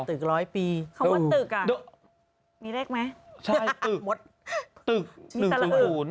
ตึกร้อยปีคำว่าตึกอ่ะมีเลขไหมหมดตึก๑๐๐